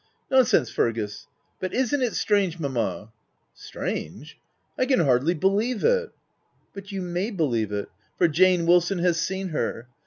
" Nonsense, Fergus ! But isn't it strange mamma t y> " Strange ! I can hardly believe it." <6 But you may believe it ; for Jane Wilson has seen her.